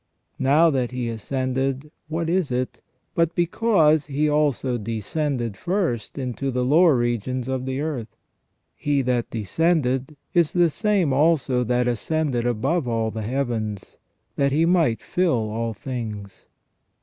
Now that He ascended, what is it, but because He also descended first into the lower regions of THE REGENERATION OF MAN. 355 the earth ? He that descended is the same also that ascended above all the heavens, that He might fill all things."